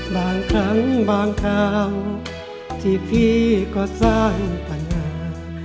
บางครั้งบางทางที่พี่ก็สร้างปัญหา